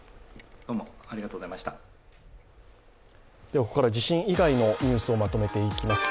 ここからは地震以外のニュースをお伝えしていきます。